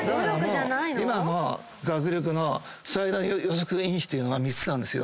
今の学力の最大予測因子というのが３つなんですよ。